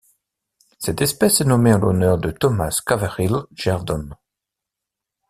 Cette espèce est nommée en l'honneur de Thomas Caverhill Jerdon.